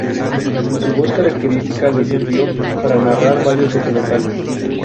Su voz característica le sirvió para narrar varios documentales.